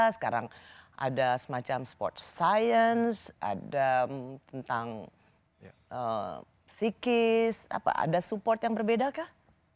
sekarang ada semacam sports science ada tentang psikis ada support yang berbeda kah